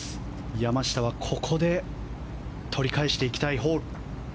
山下はここで取り返していきたいホール。